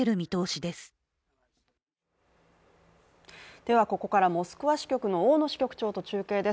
ではここからモスクワ支局の大野支局長と中継です。